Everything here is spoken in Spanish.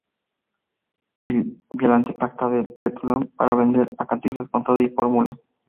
Violante pacta con la "Petroleum" para vender a Cantinflas con todo y fórmula.